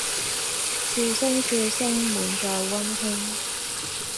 笑聲笑聲，滿載溫馨